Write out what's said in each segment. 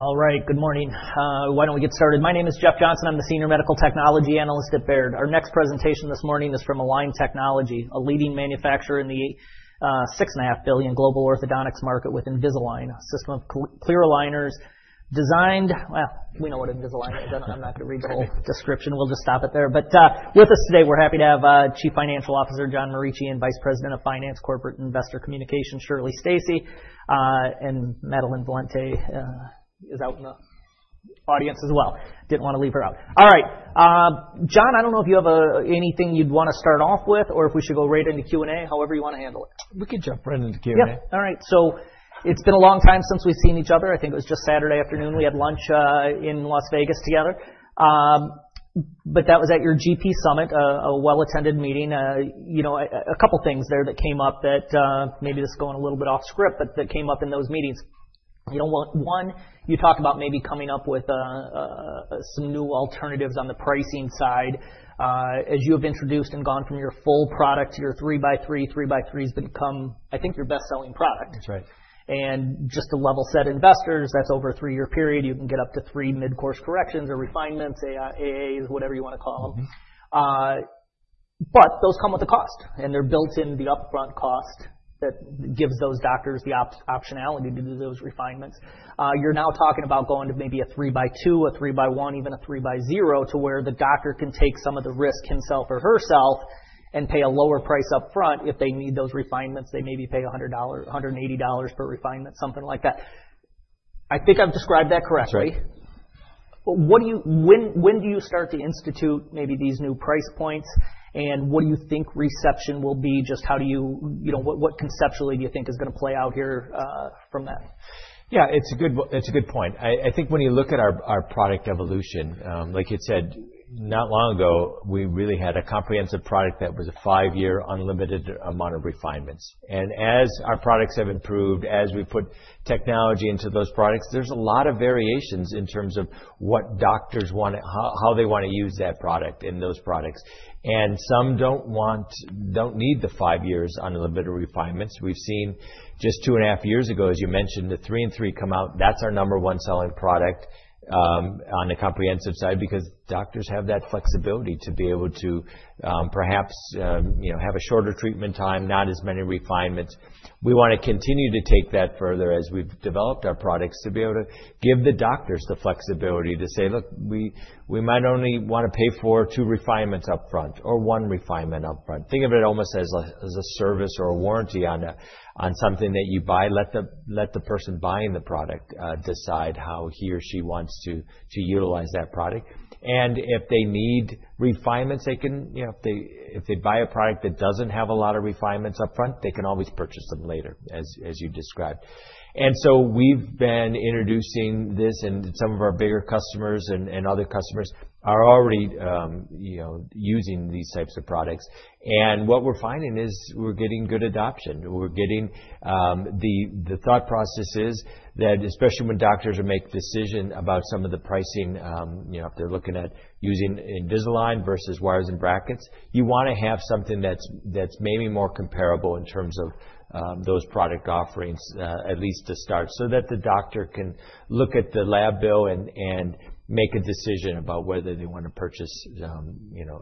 All right, good morning. Why don't we get started? My name is Jeff Johnson. I'm the Senior Medical Technology Analyst at Baird. Our next presentation this morning is from Align Technology, a leading manufacturer in the $6.5 billion global orthodontics market with Invisalign, a system of clear aligners designed, well, we know what Invisalign is. I'm not going to read the whole description. We'll just stop it there. But with us today, we're happy to have Chief Financial Officer John Morici and Vice President of Finance, Corporate and Investor Communication, Shirley Stacy, and Madelyn Valente is out in the audience as well. Didn't want to leave her out. All right. John, I don't know if you have anything you'd want to start off with or if we should go right into Q&A, however you want to handle it. We could jump right into Q&A. Yeah. All right. So it's been a long time since we've seen each other. I think it was just Saturday afternoon. We had lunch in Las Vegas together. But that was at your GP Summit, a well-attended meeting. A couple of things there that came up, that maybe this is going a little bit off script, but that came up in those meetings. One, you talked about maybe coming up with some new alternatives on the pricing side. As you have introduced and gone from your full product to your 3x3, 3x3 has become, I think, your best-selling product. That's right. Just to level-set investors, that's over a three-year period. You can get up to three mid-course corrections or refinements, AAs, whatever you want to call them. But those come with a cost, and they're built in the upfront cost that gives those doctors the optionality to do those refinements. You're now talking about going to maybe a 3x2, a 3x1, even a 3x0 to where the doctor can take some of the risk himself or herself and pay a lower price upfront. If they need those refinements, they maybe pay $180 per refinement, something like that. I think I've described that correctly. That's right. When do you start to institute maybe these new price points, and what do you think reception will be? Just what conceptually do you think is going to play out here from that? Yeah, it's a good point. I think when you look at our product evolution, like you said, not long ago, we really had a comprehensive product that was a five-year unlimited amount of refinements. And as our products have improved, as we put technology into those products, there's a lot of variations in terms of what doctors want, how they want to use that product and those products. And some don't need the five years unlimited refinements. We've seen just two and a half years ago, as you mentioned, the 3x3 come out. That's our number one selling product on the comprehensive side because doctors have that flexibility to be able to perhaps have a shorter treatment time, not as many refinements. We want to continue to take that further as we've developed our products to be able to give the doctors the flexibility to say, "Look, we might only want to pay for two refinements upfront or one refinement upfront." Think of it almost as a service or a warranty on something that you buy. Let the person buying the product decide how he or she wants to utilize that product, and if they need refinements, they can, if they buy a product that doesn't have a lot of refinements upfront, they can always purchase them later, as you described, and so we've been introducing this, and some of our bigger customers and other customers are already using these types of products, and what we're finding is we're getting good adoption. We're getting the thought processes that, especially when doctors are making decisions about some of the pricing, if they're looking at using Invisalign versus wires and brackets, you want to have something that's maybe more comparable in terms of those product offerings, at least to start, so that the doctor can look at the lab bill and make a decision about whether they want to purchase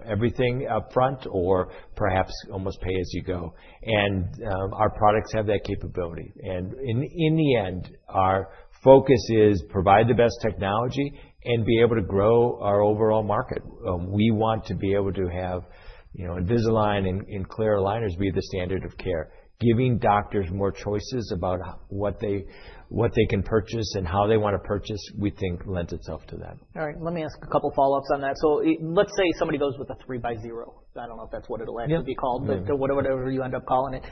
everything upfront or perhaps almost pay as you go. And our products have that capability. And in the end, our focus is to provide the best technology and be able to grow our overall market. We want to be able to have Invisalign and clear aligners be the standard of care, giving doctors more choices about what they can purchase and how they want to purchase, we think, lends itself to that. All right. Let me ask a couple of follow-ups on that. So let's say somebody goes with a 3x0. I don't know if that's what it'll actually be called, but whatever you end up calling it.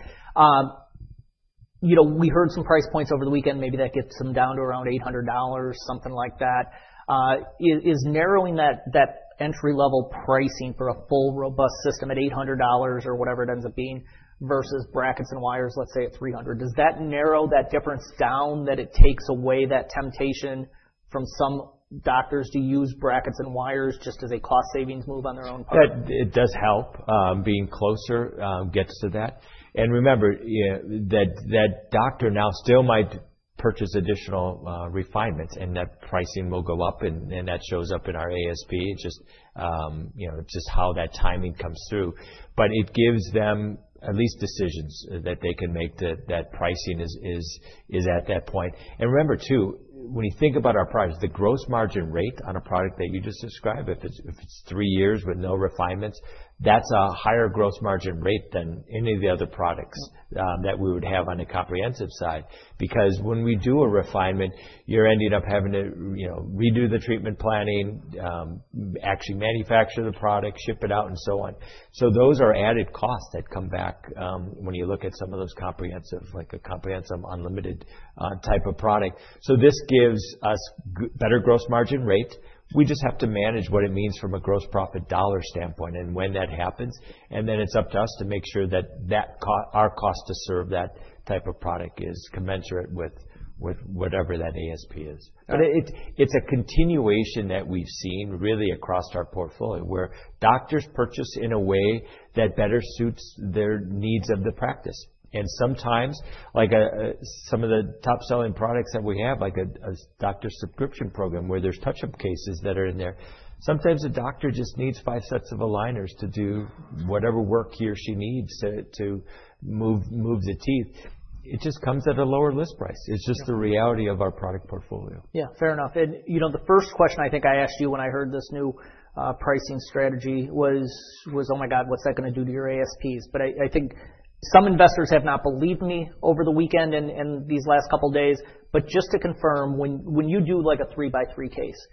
We heard some price points over the weekend. Maybe that gets them down to around $800, something like that. Is narrowing that entry-level pricing for a full robust system at $800 or whatever it ends up being versus brackets and wires, let's say, at $300, does that narrow that difference down, that it takes away that temptation from some doctors to use brackets and wires just as a cost savings move on their own? It does help. Being closer gets to that. Remember that doctor now still might purchase additional refinements, and that pricing will go up, and that shows up in our ASP, just how that timing comes through. But it gives them at least decisions that they can make that pricing is at that point. Remember, too, when you think about our products, the gross margin rate on a product that you just described, if it's three years with no refinements, that's a higher gross margin rate than any of the other products that we would have on the comprehensive side. Because when we do a refinement, you're ending up having to redo the treatment planning, actually manufacture the product, ship it out, and so on. Those are added costs that come back when you look at some of those comprehensive, like a comprehensive unlimited type of product. So this gives us a better gross margin rate. We just have to manage what it means from a gross profit dollar standpoint and when that happens. And then it's up to us to make sure that our cost to serve that type of product is commensurate with whatever that ASP is. But it's a continuation that we've seen really across our portfolio where doctors purchase in a way that better suits their needs of the practice. And sometimes, like some of the top-selling products that we have, like a doctor's subscription program where there's touch-up cases that are in there, sometimes a doctor just needs five sets of aligners to do whatever work he or she needs to move the teeth. It just comes at a lower list price. It's just the reality of our product portfolio. Yeah, fair enough. And the first question I think I asked you when I heard this new pricing strategy was, "Oh my God, what's that going to do to your ASPs?" But I think some investors have not believed me over the weekend and these last couple of days. But just to confirm, when you do a 3x3 case,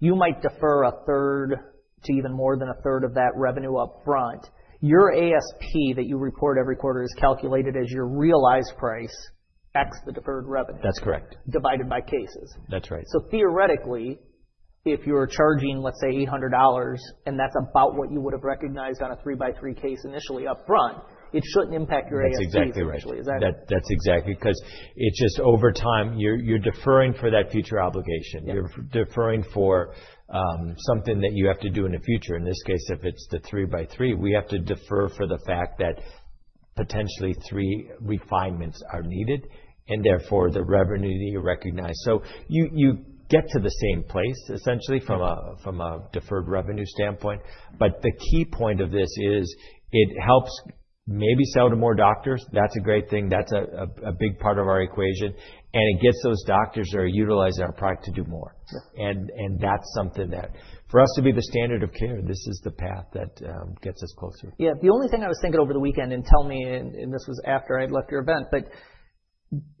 you might defer a third to even more than a third of that revenue upfront. Your ASP that you report every quarter is calculated as your realized price X the deferred revenue. That's correct. Divided by cases. That's right. So theoretically, if you're charging, let's say, $800, and that's about what you would have recognized on a 3x3 case initially upfront, it shouldn't impact your ASP potentially. That's exactly right. Is that right? That's exactly because it's just over time, you're deferring for that future obligation. You're deferring for something that you have to do in the future. In this case, if it's the 3x3, we have to defer for the fact that potentially three refinements are needed and therefore the revenue that you recognize. So you get to the same place, essentially, from a deferred revenue standpoint. But the key point of this is it helps maybe sell to more doctors. That's a great thing. That's a big part of our equation. And it gets those doctors that are utilizing our product to do more. And that's something that, for us to be the standard of care, this is the path that gets us closer. Yeah. The only thing I was thinking over the weekend, and tell me, and this was after I had left your event, but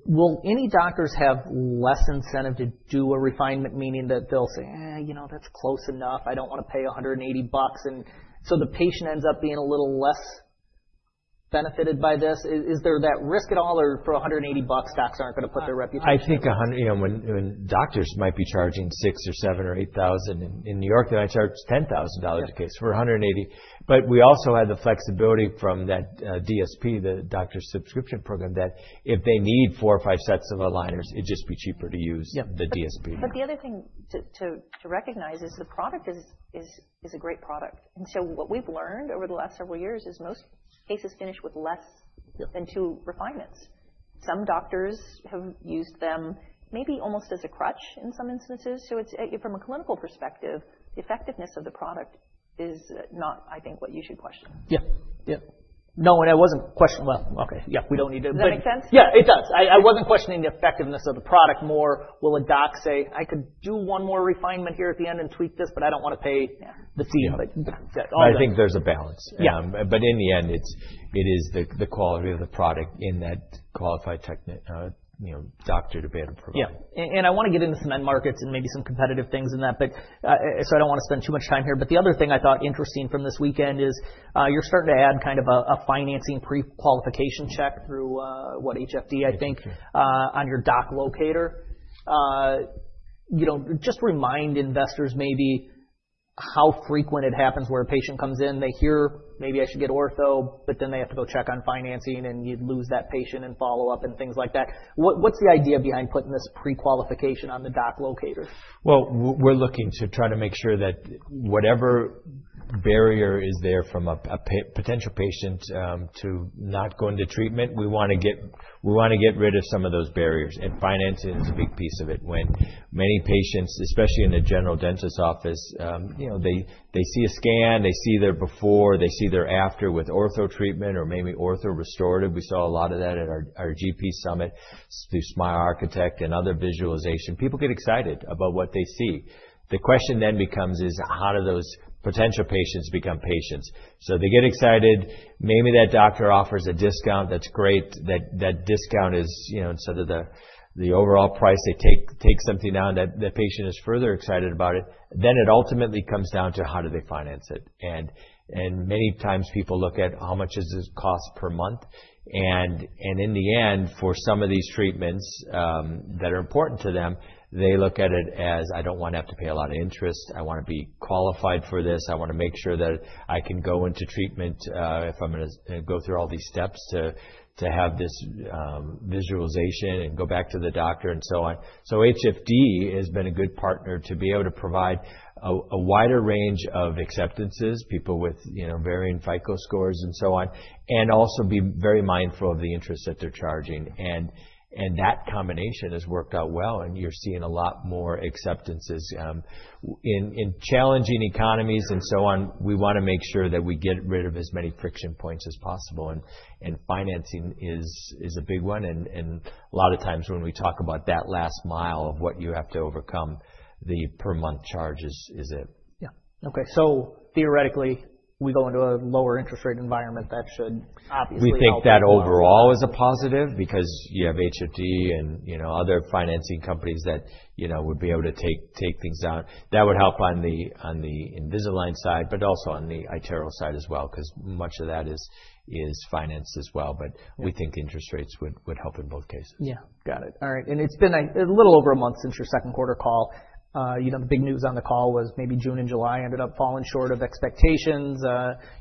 will any doctors have less incentive to do a refinement, meaning that they'll say, "You know, that's close enough. I don't want to pay $180." And so the patient ends up being a little less benefited by this. Is there that risk at all, or for $180, docs aren't going to put their reputation at risk? I think when doctors might be charging six or seven or eight thousand in New York, they might charge $10,000 a case for 180. But we also have the flexibility from that DSP, the Doctor Subscription Program, that if they need four or five sets of aligners, it'd just be cheaper to use the DSP. But the other thing to recognize is the product is a great product. And so what we've learned over the last several years is most cases finish with less than two refinements. Some doctors have used them maybe almost as a crutch in some instances. So from a clinical perspective, the effectiveness of the product is not, I think, what you should question. Yeah. Yeah. No, and I wasn't questioning, well, okay, yeah, we don't need to. Does that make sense? Yeah, it does. I wasn't questioning the effectiveness of the product. More will a doc say, "I could do one more refinement here at the end and tweak this, but I don't want to pay the fee of it. I think there's a balance, but in the end, it is the quality of the product in that qualified doctor to be able to provide. Yeah. And I want to get into emerging markets and maybe some competitive things in that. So I don't want to spend too much time here. But the other thing I thought interesting from this weekend is you're starting to add kind of a financing pre-qualification check through what, HFD, I think, on your doc locator. Just remind investors maybe how frequent it happens where a patient comes in, they hear, "Maybe I should get ortho." But then they have to go check on financing, and you'd lose that patient and follow-up and things like that. What's the idea behind putting this pre-qualification on the doc locator? We're looking to try to make sure that whatever barrier is there from a potential patient to not going to treatment, we want to get rid of some of those barriers. Financing is a big piece of it. When many patients, especially in the general dentist's office, they see a scan, they see their before, they see their after with ortho treatment or maybe ortho restorative. We saw a lot of that at our GP Summit through Smile Architect and other visualization. People get excited about what they see. The question then becomes, is how do those potential patients become patients? They get excited. Maybe that doctor offers a discount. That's great. That discount is, instead of the overall price, they take something down that the patient is further excited about it. It ultimately comes down to how do they finance it. Many times people look at how much does this cost per month? In the end, for some of these treatments that are important to them, they look at it as, "I don't want to have to pay a lot of interest. I want to be qualified for this. I want to make sure that I can go into treatment if I'm going to go through all these steps to have this visualization and go back to the doctor and so on." HFD has been a good partner to be able to provide a wider range of acceptances, people with varying FICO scores and so on, and also be very mindful of the interest that they're charging. That combination has worked out well, and you're seeing a lot more acceptances. In challenging economies and so on, we want to make sure that we get rid of as many friction points as possible. And financing is a big one. And a lot of times when we talk about that last mile of what you have to overcome, the per month charge is it. Yeah. Okay. So theoretically, we go into a lower interest rate environment that should obviously. We think that overall is a positive because you have HFD and other financing companies that would be able to take things down. That would help on the Invisalign side, but also on the iTero side as well because much of that is financed as well. But we think interest rates would help in both cases. Yeah. Got it. All right. And it's been a little over a month since your second quarter call. The big news on the call was maybe June and July ended up falling short of expectations.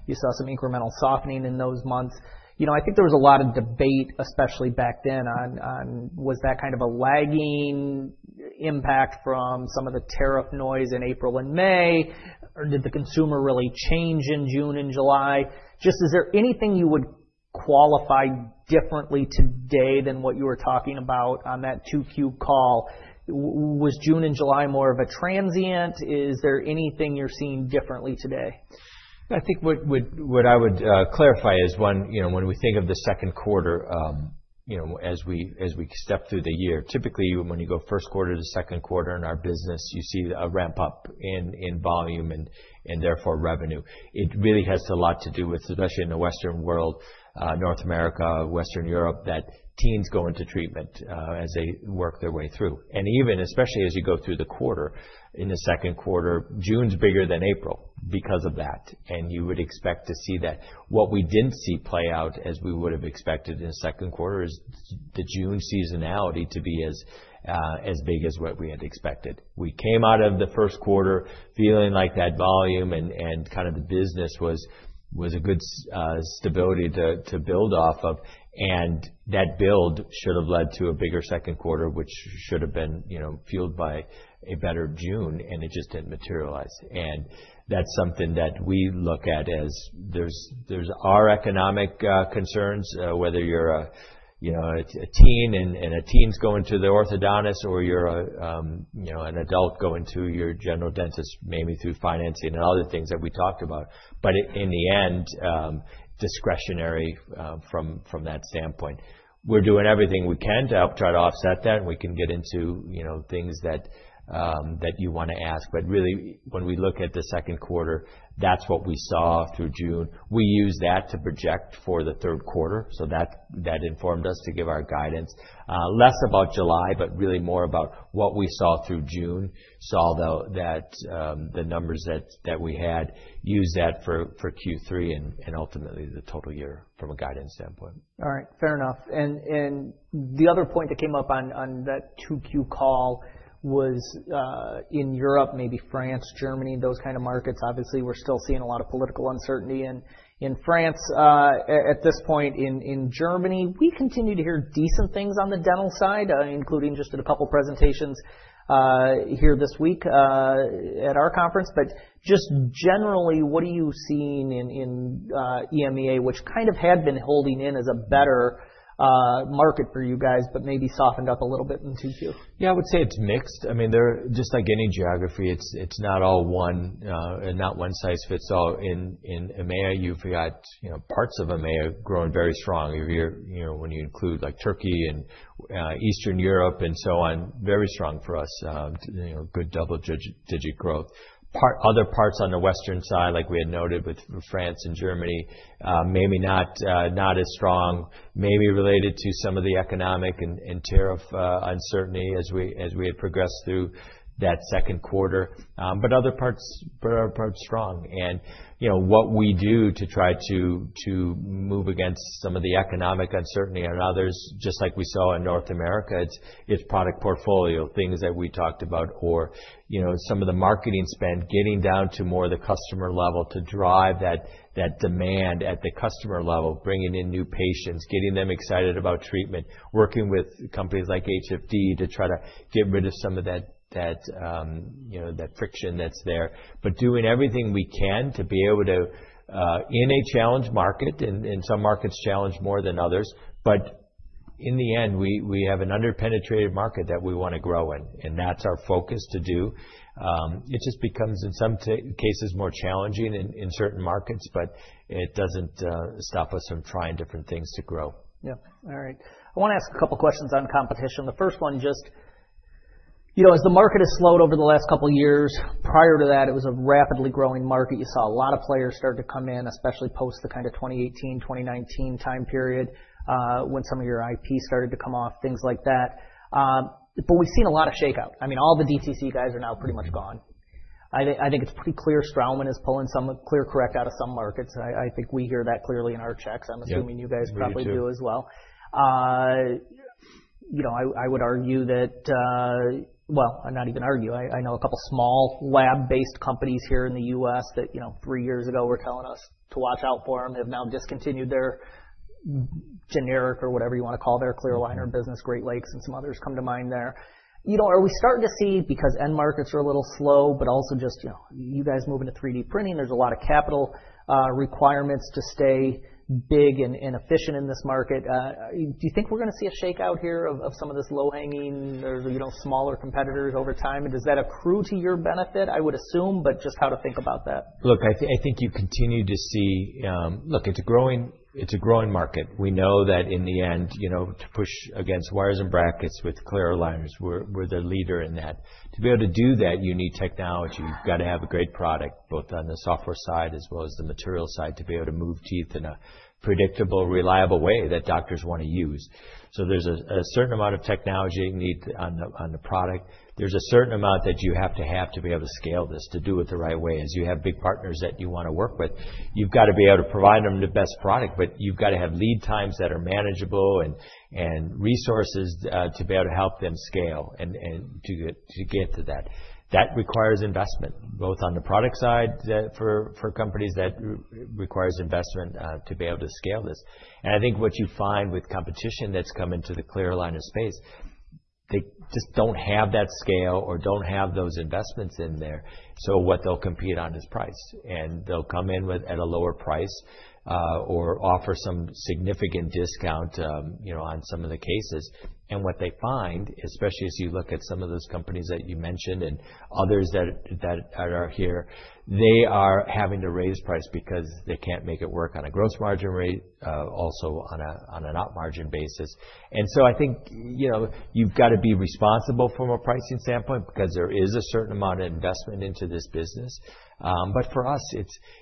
You saw some incremental softening in those months. I think there was a lot of debate, especially back then, on was that kind of a lagging impact from some of the tariff noise in April and May? Or did the consumer really change in June and July? Just is there anything you would qualify differently today than what you were talking about on that Q2 call? Was June and July more of a transient? Is there anything you're seeing differently today? I think what I would clarify is when we think of the second quarter, as we step through the year, typically when you go first quarter to second quarter in our business, you see a ramp-up in volume and therefore revenue. It really has a lot to do with, especially in the Western world, North America, Western Europe, that teens go into treatment as they work their way through. And even especially as you go through the quarter, in the second quarter, June's bigger than April because of that. And you would expect to see that. What we didn't see play out as we would have expected in the second quarter is the June seasonality to be as big as what we had expected. We came out of the first quarter feeling like that volume and kind of the business was a good stability to build off of. And that build should have led to a bigger second quarter, which should have been fueled by a better June, and it just didn't materialize. And that's something that we look at as there's our economic concerns, whether you're a teen and a teen's going to the orthodontist or you're an adult going to your general dentist, maybe through financing and other things that we talked about. But in the end, discretionary from that standpoint. We're doing everything we can to help try to offset that, and we can get into things that you want to ask. But really, when we look at the second quarter, that's what we saw through June. We used that to project for the third quarter. So that informed us to give our guidance. Less about July, but really more about what we saw through June. Saw that the numbers that we had, used that for Q3 and ultimately the total year from a guidance standpoint. All right. Fair enough. And the other point that came up on that Q2 call was in Europe, maybe France, Germany, those kind of markets. Obviously, we're still seeing a lot of political uncertainty in France at this point. In Germany, we continue to hear decent things on the dental side, including just at a couple of presentations here this week at our conference. But just generally, what are you seeing in EMEA, which kind of had been holding in as a better market for you guys, but maybe softened up a little bit in Q2? Yeah, I would say it's mixed. I mean, just like any geography, it's not all one and not one size fits all. In EMEA, you've got parts of EMEA growing very strong. When you include Turkey and Eastern Europe and so on, very strong for us. Good double-digit growth. Other parts on the Western side, like we had noted with France and Germany, maybe not as strong, maybe related to some of the economic and tariff uncertainty as we had progressed through that second quarter. But other parts are strong. And what we do to try to move against some of the economic uncertainty and others, just like we saw in North America, it's product portfolio, things that we talked about, or some of the marketing spend, getting down to more of the customer level to drive that demand at the customer level, bringing in new patients, getting them excited about treatment, working with companies like HFD to try to get rid of some of that friction that's there. But doing everything we can to be able to, in a challenged market, and some markets challenge more than others. But in the end, we have an under-penetrated market that we want to grow in. And that's our focus to do. It just becomes, in some cases, more challenging in certain markets, but it doesn't stop us from trying different things to grow. Yeah. All right. I want to ask a couple of questions on competition. The first one, just as the market has slowed over the last couple of years, prior to that, it was a rapidly growing market. You saw a lot of players start to come in, especially post the kind of 2018, 2019 time period when some of your IP started to come off, things like that. But we've seen a lot of shakeout. I mean, all the DTC guys are now pretty much gone. I think it's pretty clear Straumann is pulling some ClearCorrect out of some markets. I think we hear that clearly in our checks. I'm assuming you guys probably do as well. I would argue that, well, not even argue. I know a couple of small lab-based companies here in the U.S. that three years ago were telling us to watch out for them have now discontinued their generic or whatever you want to call their clear aligner business. Great Lakes and some others come to mind there. Are we starting to see, because end markets are a little slow, but also just you guys moving to 3D printing, there's a lot of capital requirements to stay big and efficient in this market? Do you think we're going to see a shakeout here of some of this low-hanging or smaller competitors over time, and does that accrue to your benefit, I would assume, but just how to think about that? Look, I think you continue to see, look, it's a growing market. We know that in the end, to push against wires and brackets with clear aligners, we're the leader in that. To be able to do that, you need technology. You've got to have a great product both on the software side as well as the material side to be able to move teeth in a predictable, reliable way that doctors want to use. So there's a certain amount of technology you need on the product. There's a certain amount that you have to have to be able to scale this to do it the right way as you have big partners that you want to work with. You've got to be able to provide them the best product, but you've got to have lead times that are manageable and resources to be able to help them scale and to get to that. That requires investment, both on the product side for companies, that requires investment to be able to scale this. And I think what you find with competition that's come into the clear aligner space, they just don't have that scale or don't have those investments in there. So what they'll compete on is price. And they'll come in at a lower price or offer some significant discount on some of the cases. What they find, especially as you look at some of those companies that you mentioned and others that are here, they are having to raise price because they can't make it work on a gross margin rate, also on an op margin basis. I think you've got to be responsible from a pricing standpoint because there is a certain amount of investment into this business. For us,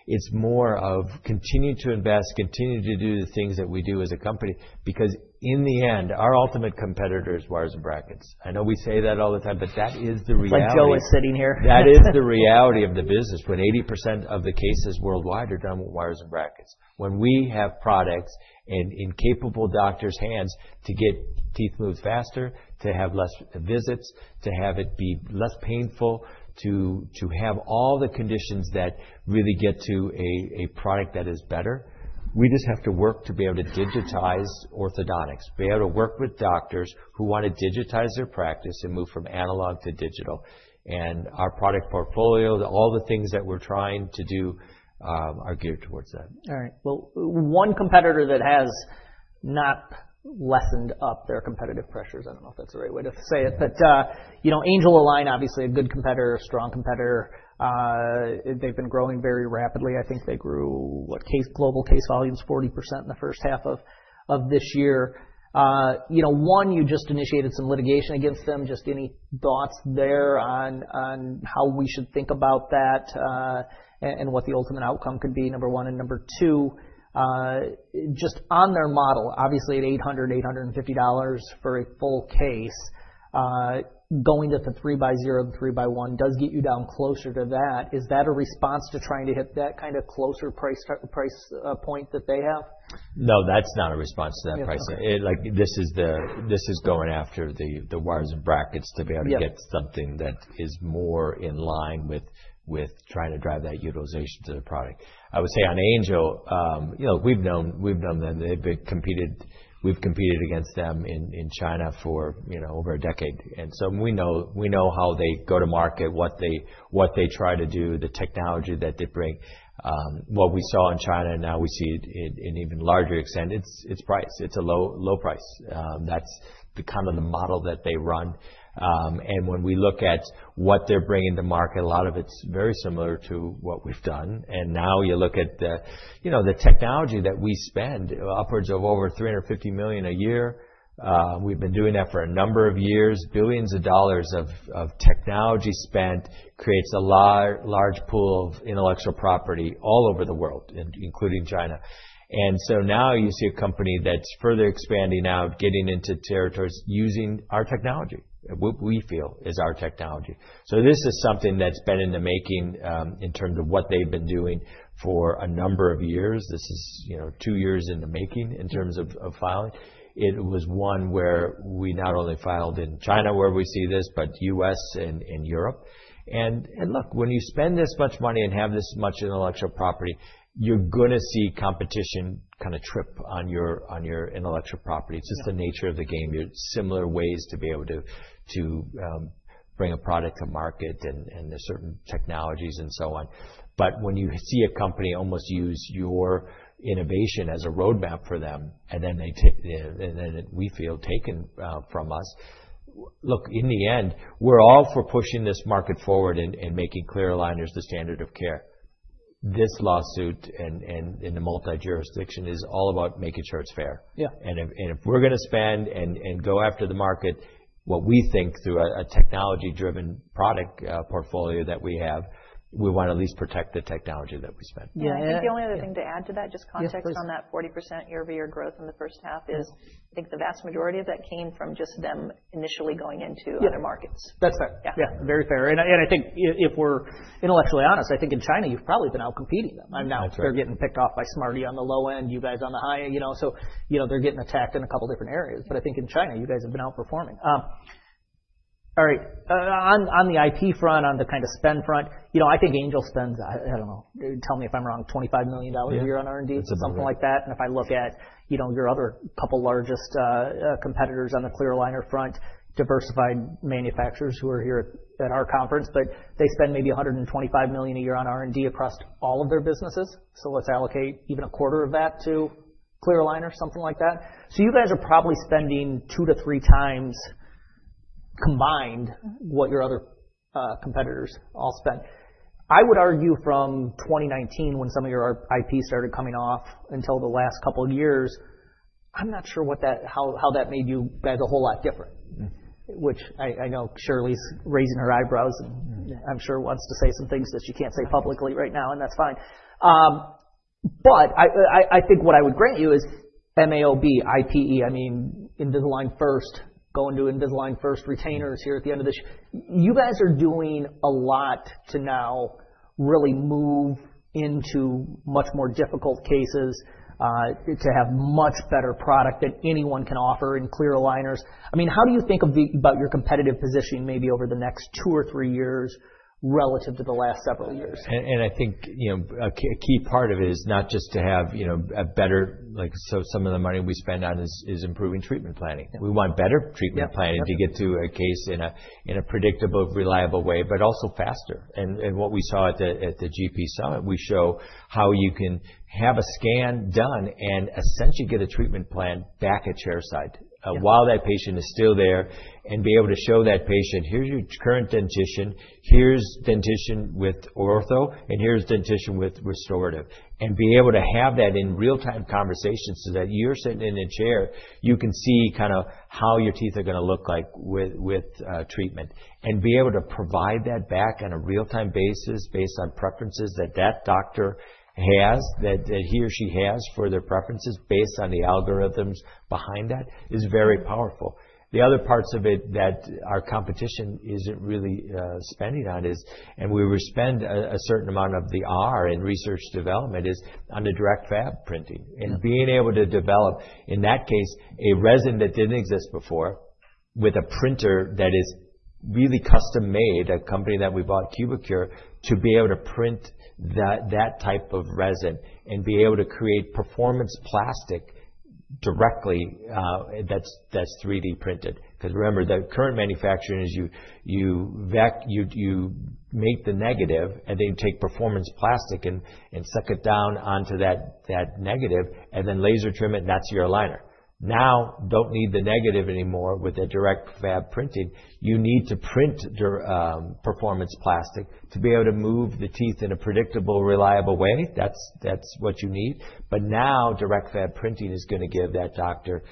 it's more of continuing to invest, continuing to do the things that we do as a company because in the end, our ultimate competitor is wires and brackets. I know we say that all the time, but that is the reality. Like Joe is sitting here. That is the reality of the business. When 80% of the cases worldwide are done with wires and brackets, when we have products in capable doctors' hands to get teeth moved faster, to have less visits, to have it be less painful, to have all the conditions that really get to a product that is better, we just have to work to be able to digitize orthodontics, be able to work with doctors who want to digitize their practice and move from analog to digital. And our product portfolio, all the things that we're trying to do are geared towards that. All right. Well, one competitor that has not lessened up their competitive pressures. I don't know if that's the right way to say it, but Angelalign, obviously a good competitor, strong competitor. They've been growing very rapidly. I think they grew, what, global case volumes 40% in the first half of this year. One, you just initiated some litigation against them. Just any thoughts there on how we should think about that and what the ultimate outcome could be, number one. And number two, just on their model, obviously at $800, $850 for a full case, going to the 3x0 and 3x1 does get you down closer to that. Is that a response to trying to hit that kind of closer price point that they have? No, that's not a response to that price. This is going after the wires and brackets to be able to get something that is more in line with trying to drive that utilization to the product. I would say on Angel, we've known them. We've competed against them in China for over a decade. And so we know how they go to market, what they try to do, the technology that they bring. What we saw in China and now we see it in even larger extent, it's price. It's a low price. That's kind of the model that they run. And when we look at what they're bringing to market, a lot of it's very similar to what we've done. And now you look at the technology that we spend, upwards of over $350 million a year. We've been doing that for a number of years. Billions of dollars of technology spent creates a large pool of intellectual property all over the world, including China. And so now you see a company that's further expanding out, getting into territories using our technology, what we feel is our technology. So this is something that's been in the making in terms of what they've been doing for a number of years. This is two years in the making in terms of filing. It was one where we not only filed in China where we see this, but U.S. and Europe. And look, when you spend this much money and have this much intellectual property, you're going to see competition kind of trip on your intellectual property. It's just the nature of the game. You have similar ways to be able to bring a product to market and certain technologies and so on. but when you see a company almost use your innovation as a roadmap for them, and then we feel taken from us, look, in the end, we're all for pushing this market forward and making clear aligners the standard of care. This lawsuit and the multi-jurisdiction is all about making sure it's fair. and if we're going to spend and go after the market, what we think through a technology-driven product portfolio that we have, we want to at least protect the technology that we spend. Yeah. And I think the only other thing to add to that, just context on that 40% year-over-year growth in the first half is I think the vast majority of that came from just them initially going into other markets. That's fair. Yeah, very fair. And I think if we're intellectually honest, I think in China, you've probably been out competing them. I mean, now they're getting picked off by Smartee on the low end, you guys on the high end. So they're getting attacked in a couple of different areas. But I think in China, you guys have been outperforming. All right. On the IP front, on the kind of spend front, I think Angelalign spends, I don't know, tell me if I'm wrong, $25 million a year on R&D or something like that. And if I look at your other couple of largest competitors on the clear aligner front, diversified manufacturers who are here at our conference, but they spend maybe $125 million a year on R&D across all of their businesses. So let's allocate even a quarter of that to clear aligner, something like that. So you guys are probably spending two to three times combined what your other competitors all spend. I would argue from 2019 when some of your IP started coming off until the last couple of years, I'm not sure how that made you guys a whole lot different, which I know Shirley's raising her eyebrows and I'm sure wants to say some things that she can't say publicly right now, and that's fine. But I think what I would grant you is MA, OB, IPE, I mean, Invisalign First, going to Invisalign First retainers here at the end of this. You guys are doing a lot to now really move into much more difficult cases to have much better product than anyone can offer in clear aligners. I mean, how do you think about your competitive positioning maybe over the next two or three years relative to the last several years? I think a key part of it is not just to have a better, so some of the money we spend on is improving treatment planning. We want better treatment planning to get to a case in a predictable, reliable way, but also faster. What we saw at the GP Summit, we show how you can have a scan done and essentially get a treatment plan back at chairside while that patient is still there and be able to show that patient, "Here's your current dentition, here's dentition with ortho, and here's dentition with restorative." Be able to have that in real-time conversations so that you're sitting in a chair, you can see kind of how your teeth are going to look like with treatment. Be able to provide that back on a real-time basis based on preferences that that doctor has, that he or she has for their preferences based on the algorithms behind that is very powerful. The other parts of it that our competition isn't really spending on is, and we will spend a certain amount of the R&D in research and development is on the direct fab printing. And being able to develop, in that case, a resin that didn't exist before with a printer that is really custom-made, a company that we bought, Cubicure, to be able to print that type of resin and be able to create performance plastic directly that's 3D printed. Because remember, the current manufacturing is you make the negative and then you take performance plastic and suck it down onto that negative and then laser trim it, and that's your aligner. Now, don't need the negative anymore with the direct fab printing. You need to print performance plastic to be able to move the teeth in a predictable, reliable way. That's what you need. But now direct fab printing is going to give that doctor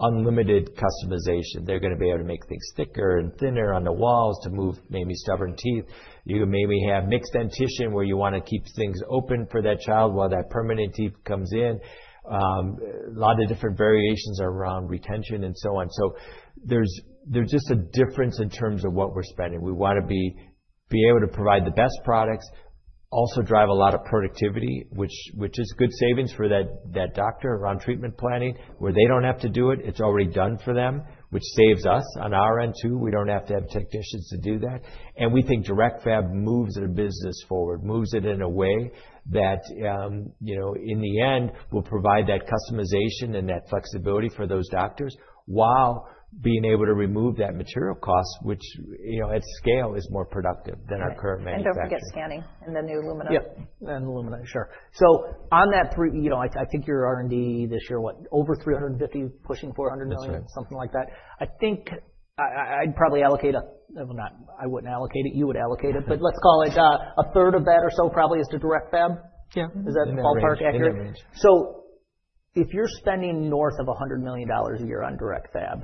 unlimited customization. They're going to be able to make things thicker and thinner on the walls to move maybe stubborn teeth. You maybe have mixed dentition where you want to keep things open for that child while that permanent teeth comes in. A lot of different variations around retention and so on. So there's just a difference in terms of what we're spending. We want to be able to provide the best products, also drive a lot of productivity, which is good savings for that doctor around treatment planning where they don't have to do it. It's already done for them, which saves us on our end too. We don't have to have technicians to do that. And we think direct fab moves their business forward, moves it in a way that in the end will provide that customization and that flexibility for those doctors while being able to remove that material cost, which at scale is more productive than our current manufacturers. Don't forget scanning and the new Lumina. Yep. And iTero Lumina, sure. So on that, I think your R&D this year, what, over $350 million, pushing $400 million, something like that. I think I'd probably allocate a, well, not I wouldn't allocate it. You would allocate it, but let's call it a third of that or so probably is the direct fab. Is that ballpark accurate? So if you're spending north of $100 million a year on direct fab,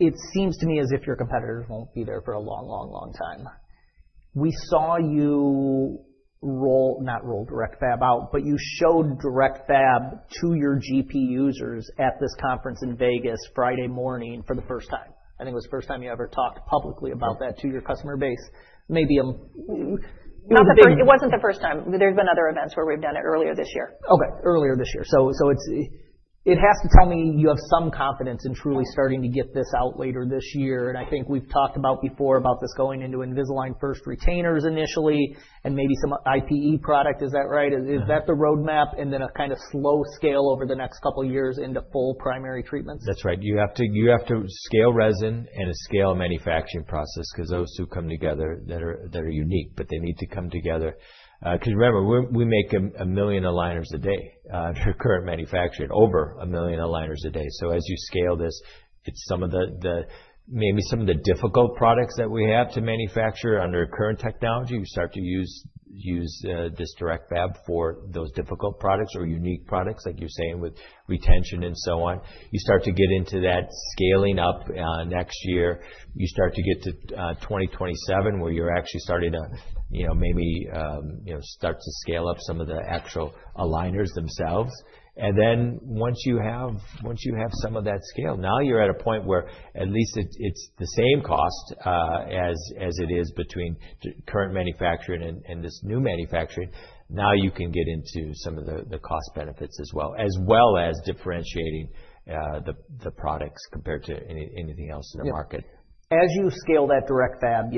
it seems to me as if your competitors won't be there for a long, long, long time. We saw you roll, not roll direct fab out, but you showed direct fab to your GP users at this conference in Vegas Friday morning for the first time. I think it was the first time you ever talked publicly about that to your customer base. Maybe a— It wasn't the first time. There's been other events where we've done it earlier this year. Okay. Earlier this year, so it has to tell me you have some confidence in truly starting to get this out later this year. And I think we've talked about this before, going into Invisalign First retainers initially and maybe some IPE product. Is that right? Is that the roadmap? And then a kind of slow scale over the next couple of years into full primary treatments? That's right. You have to scale resin and a scale manufacturing process because those two come together that are unique, but they need to come together. Because remember, we make a million aligners a day under current manufacturing, over a million aligners a day. So as you scale this, it's some of the, maybe some of the difficult products that we have to manufacture under current technology. You start to use this direct fab for those difficult products or unique products, like you're saying with retention and so on. You start to get into that scaling up next year. You start to get to 2027 where you're actually starting to maybe start to scale up some of the actual aligners themselves. And then once you have some of that scale, now you're at a point where at least it's the same cost as it is between current manufacturing and this new manufacturing. Now you can get into some of the cost benefits as well, as well as differentiating the products compared to anything else in the market. As you scale that direct fab,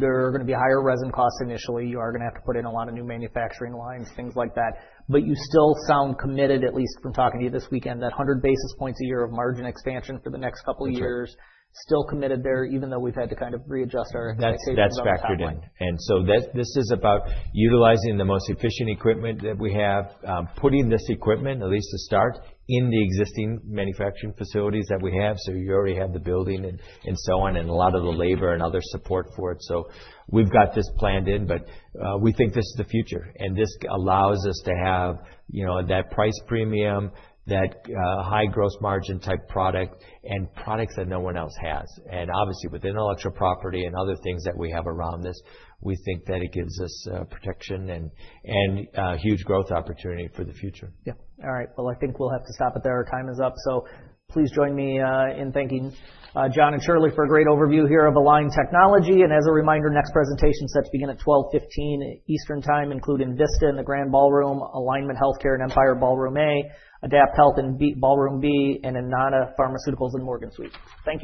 there are going to be higher resin costs initially. You are going to have to put in a lot of new manufacturing lines, things like that. But you still sound committed, at least from talking to you this weekend, that 100 basis points a year of margin expansion for the next couple of years. Still committed there, even though we've had to kind of readjust our table of contents. That's factored in. And so this is about utilizing the most efficient equipment that we have, putting this equipment, at least to start, in the existing manufacturing facilities that we have. So you already have the building and so on and a lot of the labor and other support for it. So we've got this planned in, but we think this is the future. And this allows us to have that price premium, that high gross margin type product and products that no one else has. And obviously, with intellectual property and other things that we have around this, we think that it gives us protection and a huge growth opportunity for the future. Yep. All right. Well, I think we'll have to stop it there. Our time is up. So please join me in thanking John and Shirley for a great overview here of Align Technology. And as a reminder, next presentation is set to begin at 12:15 P.M. Eastern Time, including Vesta in the Grand Ballroom, Alignment Healthcare in Empire Ballroom A, AdaptHealth in Ballroom B, and Enanta Pharmaceuticals in Morgan Suite. Thank you.